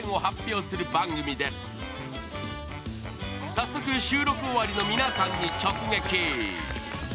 早速、収録終わりの皆さんに直撃。